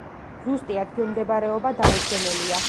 ზუსტი ადგილმდებარეობა დაუდგენელია.